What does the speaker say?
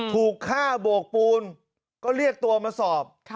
ถูกฆ่าโบกปูนก็เรียกตัวมาสอบ